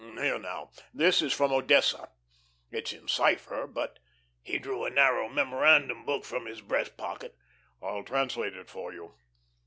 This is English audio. Here now, this is from Odessa. It's in cipher, but" he drew a narrow memorandum book from his breast pocket "I'll translate it for you."